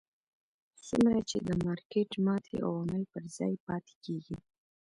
څومره چې د مارکېټ ماتې عوامل پر ځای پاتې کېږي.